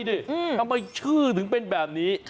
นี่ทำไมชื่อถึงเป็นแบบนี้